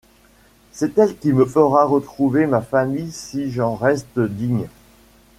C’est elle qui me fera retrouver ma famille si j’en reste digne.